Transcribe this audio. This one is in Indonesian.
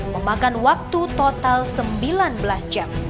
memakan waktu total sembilan belas jam